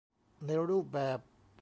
ในรูปแบบ